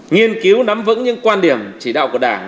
nghiên cứu nắm vững những quan điểm chỉ đạo của đảng